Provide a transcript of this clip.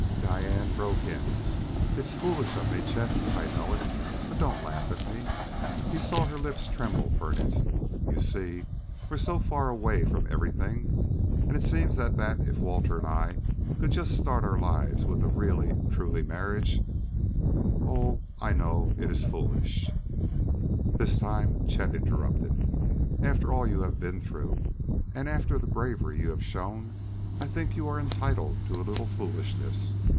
Diane broke in. "It's foolish of me, Chet, I know it; but don't laugh at me." He saw her lips tremble for an instant. "You see, we're so far away from from everything, and it seems that that if Walter and I could just start our lives with a really and truly marriage oh, I know it is foolish " This time Chet interrupted. "After all you have been through, and after the bravery you've shown, I think you are entitled to a little 'foolishness.'